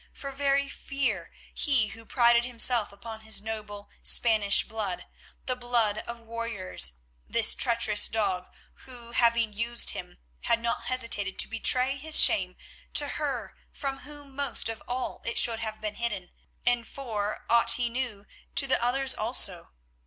for very fear, he who prided himself upon his noble Spanish blood, the blood of warriors—this treacherous dog, who, having used him, had not hesitated to betray his shame to her from whom most of all it should have been hidden, and, for aught he knew, to the others also.